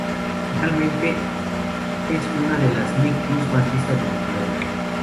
Finalmente es una de las Nicktoons mas vistas de Nickelodeon.